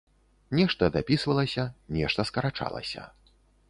Нешта дапісвалася, нешта скарачалася.